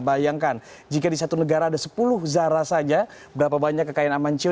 bayangkan jika di satu negara ada sepuluh zara saja berapa banyak kekayaan amancio